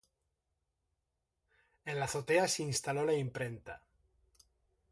En la azotea se instaló la imprenta.